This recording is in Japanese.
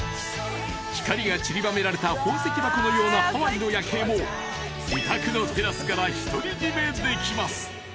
［光がちりばめられた宝石箱のようなハワイの夜景も自宅のテラスから独り占めできます］